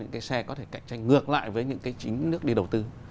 những cái xe có thể cạnh tranh ngược lại với những cái chính nước đi đầu tư